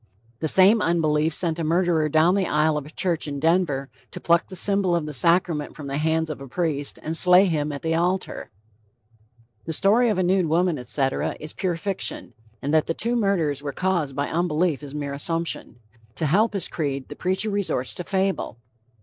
"The same unbelief sent a murderer down the isle of a church in Denver to pluck the symbol of the sacrament from the hands of a priest and slay him at the altar." The story of a "nude woman," etc., is pure fiction, and that the two murders were caused by unbelief is mere assumption. To help his creed, the preacher resorts to fable.